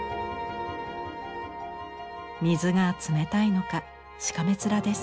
水が冷たいのかしかめ面です。